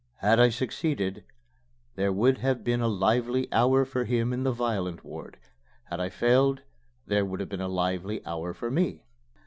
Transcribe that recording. Had I succeeded, there would have been a lively hour for him in the violent ward had I failed, there would have been a lively hour for me.